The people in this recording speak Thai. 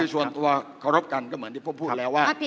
ส่วนตัวเคารพกันก็เหมือนที่ผมพูดแล้วว่า